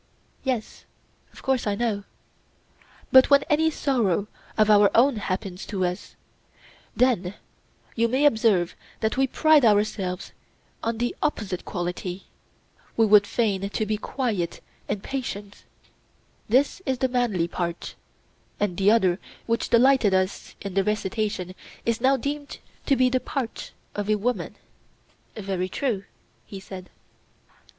Yes, of course I know. But when any sorrow of our own happens to us, then you may observe that we pride ourselves on the opposite quality—we would fain be quiet and patient; this is the manly part, and the other which delighted us in the recitation is now deemed to be the part of a woman. Very true, he said.